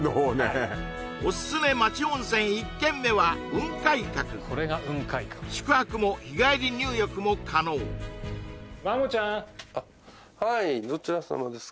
はいオススメ町温泉１軒目は雲海閣宿泊も日帰り入浴も可能・はいどちらさまですか？